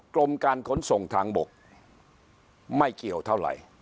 กรมการขนส่งทางบกไม่เกี่ยวเท่าไหร่